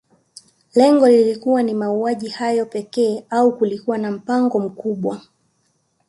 Lengo lilikuwa ni mauaji hayo pekee au kulikuwa na mpango mkubwa